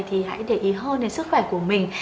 thì hãy để ý hơn đến sức khỏe của mình